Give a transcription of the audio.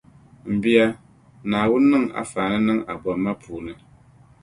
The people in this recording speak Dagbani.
M bia, Naawuni niŋ anfaani niŋ a bomma puuni.